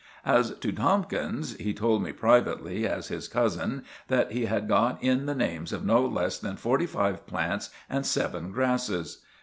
As to Tomkins, he told me privately, as his cousin, that he had got in the names of no less than forty five plants and seven grasses.